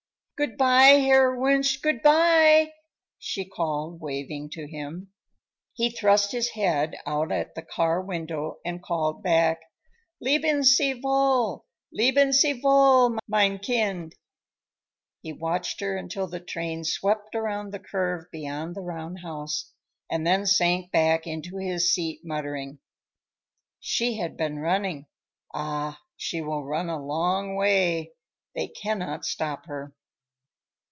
"Good bye, Herr Wunsch, good bye!" she called waving to him. He thrust his head out at the car window and called back, "Leben sie wohl, leben sie wohl, mein Kind!" He watched her until the train swept around the curve beyond the roundhouse, and then sank back into his seat, muttering, "She had been running. Ah, she will run a long way; they cannot stop her!"